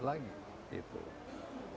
yang lebih sehat lagi